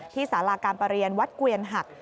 สาราการประเรียนวัดเกวียนหัก